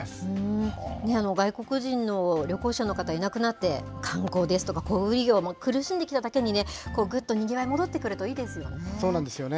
外国人の旅行者の方、いなくなって、観光ですとか、小売り業も苦しんできただけにね、ぐっとにぎわい、そうなんですよね。